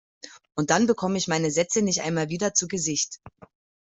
Und dann bekomme ich meine Sätze nicht einmal wieder zu Gesicht!